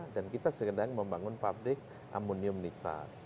dan kita sedang membangun pabrik amonium nitrat